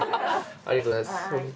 ありがとうございます。